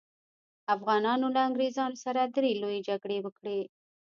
افغانانو له انګریزانو سره درې لويې جګړې وکړې.